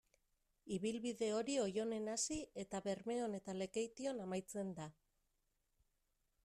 Ibilbide hori Oionen hasi eta Bermeon eta Lekeition amaitzen da.